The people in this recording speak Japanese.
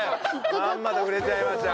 まんまと触れちゃいました。